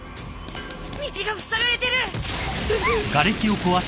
道がふさがれてる！